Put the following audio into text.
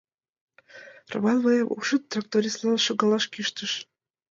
Роман, мыйым ужын, трактористлан шогалаш кӱштыш.